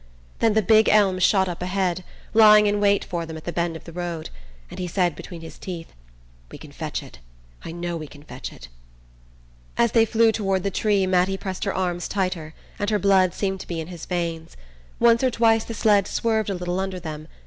Then the big elm shot up ahead, lying in wait for them at the bend of the road, and he said between his teeth: "We can fetch it; I know we can fetch it " As they flew toward the tree Mattie pressed her arms tighter, and her blood seemed to be in his veins. Once or twice the sled swerved a little under them.